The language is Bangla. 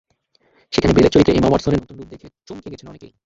সেখানে বেলের চরিত্রে এমা ওয়াটসনের নতুন রূপ দেখে চমকে গেছেন অনেকেই।